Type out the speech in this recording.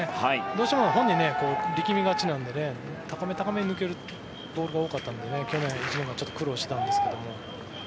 どうしても本人、力みがちなので高めに抜けるボールが多かったので去年、苦労したんですが。